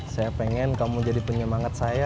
saya pengen kamu jadi penyemangat saya